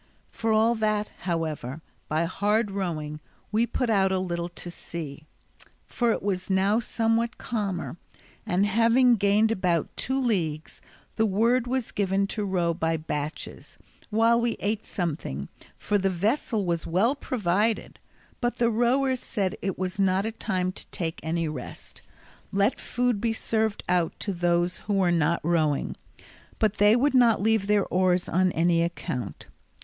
For all that, however, by hard rowing we put out a little to sea, for it was now somewhat calmer, and having gained about two leagues the word was given to row by batches, while we ate something, for the vessel was well provided; but the rowers said it was not a time to take any rest; let food be served out to those who were not rowing, but they would not leave their oars on any account.